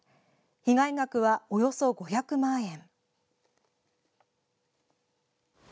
被害額は、およそ５００万円。